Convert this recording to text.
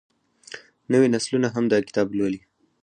نوې نسلونه هم دا کتاب لولي.